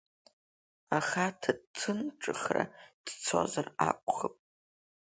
Аха ҭаҭынҿыхра дцозар акәхап.